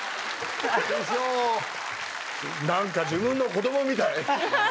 何か自分の子供みたい。